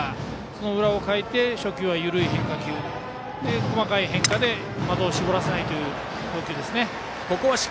その裏をかいて初球は緩い変化球や細かい変化で的を絞らせないという投球です。